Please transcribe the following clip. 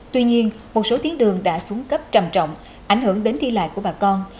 tuy nhiên một số tuyến đường đã xuống cấp trầm trọng ảnh hưởng đến thi lại của bà con